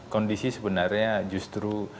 kondisi sebenarnya justru